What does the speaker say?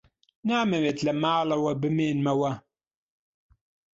نامەوێت لە ماڵەوە بمێنمەوە.